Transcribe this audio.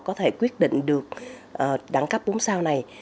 có thể quyết định được đẳng cấp bốn sao này